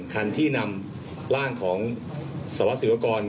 คันที่นำร่างของสวัสสิวกร